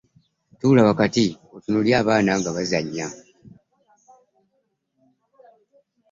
Ttuula wakati atunulire abaana nga bazannya.